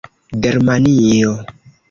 germanio